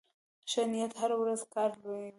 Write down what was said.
ښه نیت هره وړه کار لویوي.